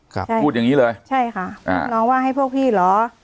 ครับใช่พูดอย่างงี้เลยใช่ค่ะอ่าน้องว่าให้พวกพี่เหรอ